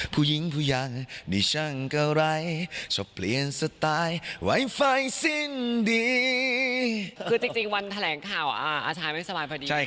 คือจริงวันแถลงข่าวอ่าอาชายไม่สบายพอดี